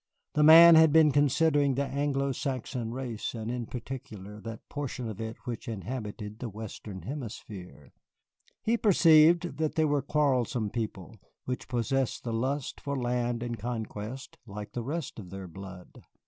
The Man had been considering the Anglo Saxon race, and in particular that portion of it which inhabited the Western Hemisphere. He perceived that they were a quarrelsome people, which possessed the lust for land and conquest like the rest of their blood.